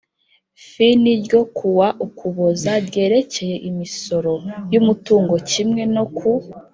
Fin ryo kuwa ukuboza ryerekeye imisoro y umutungo kimwe no ku